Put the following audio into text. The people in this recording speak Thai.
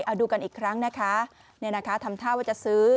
เอาดูกันอีกครั้งนะคะทำท่าว่าจะซื้อ